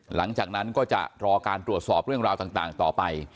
หลังจากนั้นก็จะรอการตรวจสอบเรื่องราวต่างต่อไป